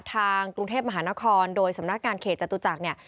ทางกรุงเทพมหานครโดยสำนักงานเขตจตุจักรเนี่ย